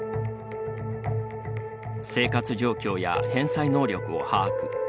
生活状況や返済能力を把握。